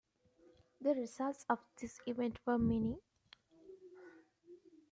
The results of this event were many.